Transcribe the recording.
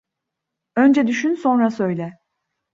Önce düşün, sonra söyle.